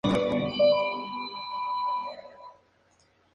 Es uno de los pocos ejemplos vanguardistas del autor.